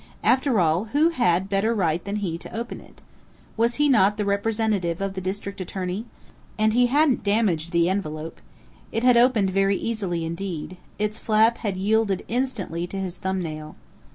After all, who had better right than he to open it? Was he not the representative of the district attorney?... And he hadn't damaged the envelope. It had opened very easily indeed its flap had yielded instantly to his thumb nail....